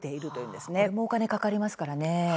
これもお金かかりますからね。